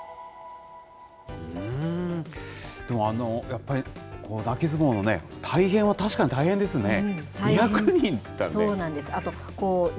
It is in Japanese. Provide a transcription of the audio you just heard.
やっぱり、泣き相撲の大変は確かに大変ですね。